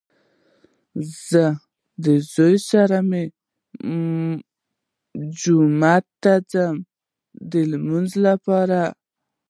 زه زوی سره مې جومات ته ځم د لمانځه لپاره